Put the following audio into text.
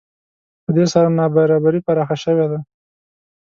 په دې سره نابرابري پراخه شوې ده